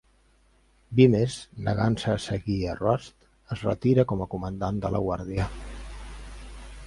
Vimes, negant-se a seguir a Rust, es retira com a comandant de la guàrdia.